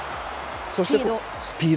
そしてスピード。